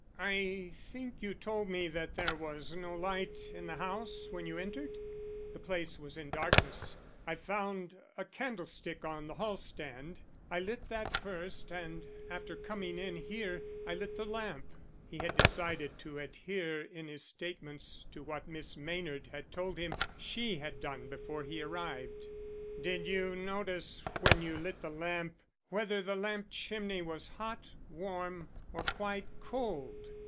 "I think you told me that there was no light in the house when you entered?" "The place was in darkness. I found a candlestick on the hallstand. I lit that first and after coming in here I lit the lamp." He had decided to adhere in his statements to what Miss Maynard had told him she had done before he arrived. "Did you notice when you lit the lamp whether the lamp chimney was hot, warm, or quite cold?"